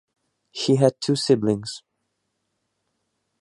She had two siblings.